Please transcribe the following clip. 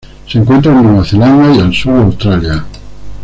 Se encuentran en Nueva Zelanda y al sur de Australia.